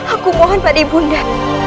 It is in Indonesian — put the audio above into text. aku mohon pada ibunya